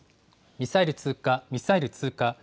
ミサイル通過、ミサイル通過。